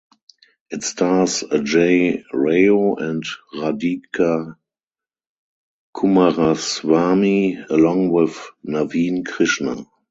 It stars Ajay Rao and Radhika Kumaraswamy along with Naveen Krishna.